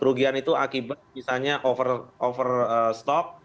kerugian itu akibat misalnya overstock